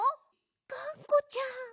がんこちゃん。